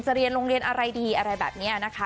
เรียนโรงเรียนอะไรดีอะไรแบบนี้นะคะ